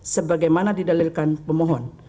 sebagaimana didalilkan pemohon